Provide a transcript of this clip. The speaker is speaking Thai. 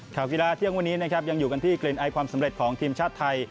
ข่าวกีฬาเที่ยงวันนี้นะครับยังอยู่กันที่กลิ่นไอความสำเร็จของทีมชาติไทย